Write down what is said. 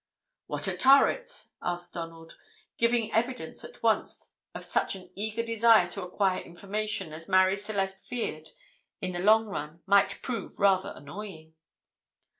"What are turrets?" asked Donald, giving evidence at once of such an eager desire to acquire information as Marie Celeste feared in the long run might prove rather annoying.